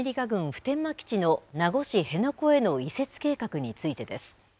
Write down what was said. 普天間基地の名護市辺野古への移設計画についてです。